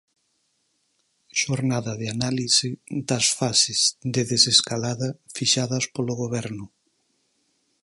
Xornada de análise das fases de desescalada fixadas polo Goberno.